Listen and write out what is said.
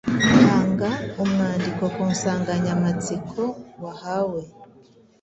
hanga umwandiko ku nsanganyamatsiko wahawe,